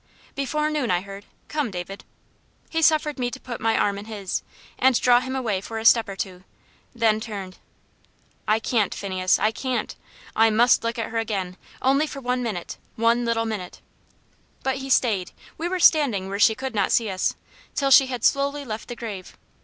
"Before noon, I heard. Come, David." He suffered me to put my arm in his, and draw him away for a step or two, then turned. "I can't, Phineas, I can't! I MUST look at her again only for one minute one little minute." But he stayed we were standing where she could not see us till she had slowly left the grave.